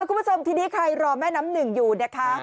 คุณผู้ชมทีนี้ใครรอแม่น้ำหนึ่งอยู่นะคะ